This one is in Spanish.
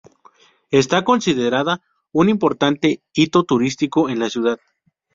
Está considerada un importante hito turístico en la ciudad.